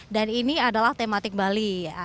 dan ini adalah tematik bali